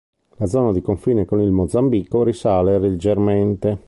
La zona di confine con il Mozambico risale leggermente.